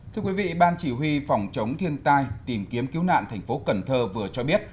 thưa quý vị ban chỉ huy phòng chống thiên tai tìm kiếm cứu nạn thành phố cần thơ vừa cho biết